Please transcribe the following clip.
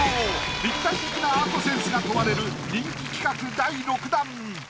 立体的なアートセンスが問われる人気企画第６弾。